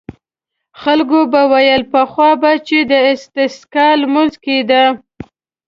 خلکو به ویل پخوا به چې د استسقا لمونځ کېده.